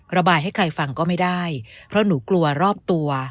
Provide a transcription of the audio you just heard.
ระบายให้ใครฟังก็ไม่ได้เพราะหนูกลัวรอบตัว